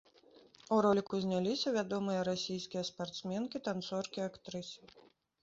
У роліку зняліся вядомыя расійскія спартсменкі, танцоркі і актрысы.